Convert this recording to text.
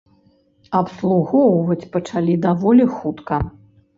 Абслугоўваць пачалі даволі хутка.